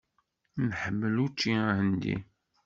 Tḥemmlem učči ahendi?